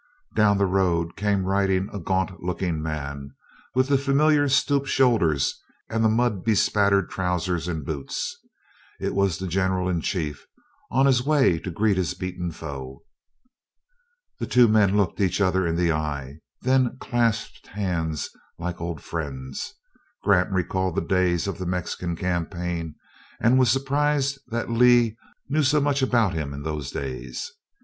Down the road came riding a gaunt looking man, with the familiar stoop shoulders, and mud bespattered trousers and boots. It was the general in chief on his way to greet his beaten foe! The two men looked each other in the eye, then clasped hands like old friends. Grant recalled the days of the Mexican campaign, and was surprised that Lee knew so much about him in those days.